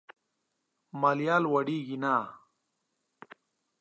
ماليه لوړېږي نه.